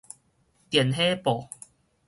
電火布